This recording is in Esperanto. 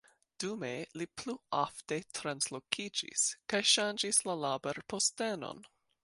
Dume li plu ofte translokiĝis, kaj ŝanĝis la laborpostenon.